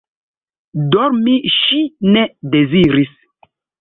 Dormi ŝi ne deziris.